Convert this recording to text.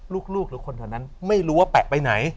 ลูกหรือคนแถวนั้นไม่รู้ว่าแปะไปไหน